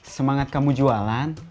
semangat kamu jualan